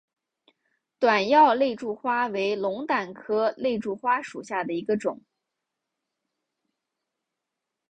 短药肋柱花为龙胆科肋柱花属下的一个种。